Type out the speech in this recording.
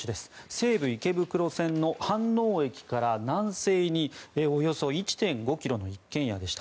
西武池袋線の飯能駅から南西におよそ１．５ｋｍの一軒家でした。